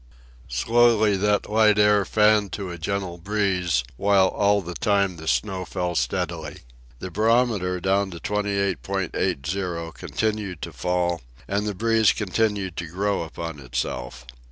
Slowly that light air fanned to a gentle breeze while all the time the snow fell steadily. The barometer, down to 28.80, continued to fall, and the breeze continued to grow upon itself.